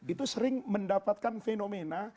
itu sering mendapatkan fenomena